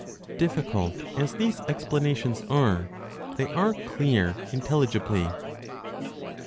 DIFFICULT AS THESE EXPLANATIONS ARE, THEY ARE CLEAR INTELLIGIBLY.